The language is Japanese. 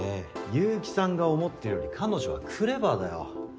結城さんが思ってるより彼女はクレバーだよ。